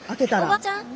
おばちゃん！